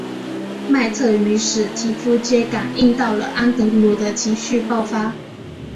麦特与史提夫皆感应到了安德鲁的情绪爆发。